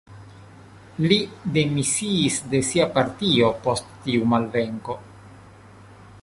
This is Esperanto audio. Li demisiis de sia partio, post tiu malvenko.